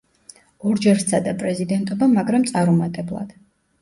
ორჯერ სცადა პრეზიდენტობა, მაგრამ წარუმატებლად.